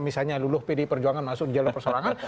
misalnya luluh pd perjuangan masuk di jalur perseorangan